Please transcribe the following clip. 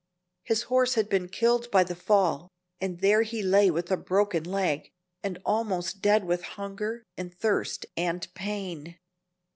His horse had been killed by the fall, and there he lay with a broken leg, and almost dead with hunger and thirst and pain.